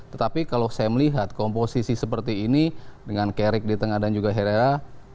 tetapi kalau saya melihat komposisi seperti ini dengan carrick di tengah dan juga herrera